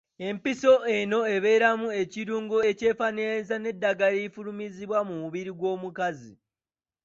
Empiso eno ebeeramu ekirungo ekyefaanaanyiriza n’eddagala erifulumizibwa mu mubiri gw’omukazi.